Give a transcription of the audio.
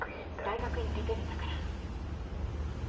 大学院出てるんだから。